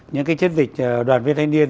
những cái chiến dịch đoàn viên thanh niên